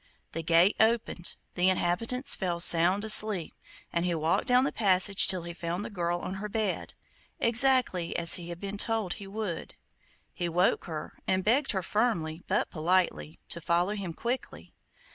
The gate opened, the inhabitants fell sound asleep, and he walked down the passage till he found the girl on her bed, exactly as he had been told he would. He woke her, and begged her firmly, but politely, to follow him quickly.